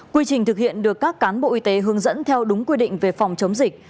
quy trình thực hiện được các cán bộ y tế hướng dẫn theo đúng quy định về phòng chống dịch